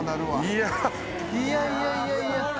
いやいやいやいや。